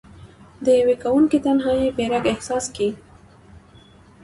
د یوې ګونګې تنهايۍ بې ږغ احساس کې